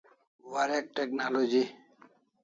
Warek technology